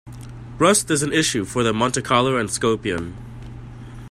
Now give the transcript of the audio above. Rust is an issue for the Montecarlo and Scorpion.